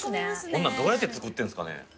こんなんどうやって作ってんすかね。